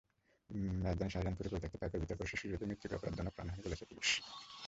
রাজধানীর শাহজাহানপুরে পরিত্যক্ত পাইপের ভেতর পড়ে শিশু জিহাদের মৃত্যুকে অপরাধজনক প্রাণহানি বলেছে পুলিশ।